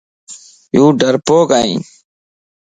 يو ڊرپوڪ ائي